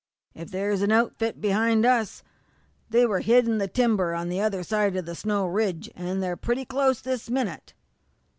"If there's an outfit behind us they were hid in the timber on the other side of the snow ridge, and they're pretty close this minute.